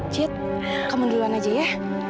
cit kamu duluan aja ya